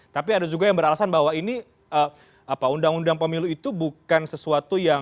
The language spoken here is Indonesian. tapi ada juga yang beralasan bahwa ini undang undang pemilu itu bukan sesuatu yang